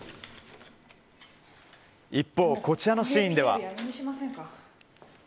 一方、こちらのシーンでは。